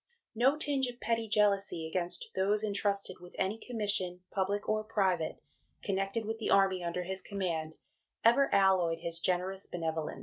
No tinge of petty jealousy against those entrusted with any commission, public or private, connected with the Army under his command, ever alloyed his generous benevolence."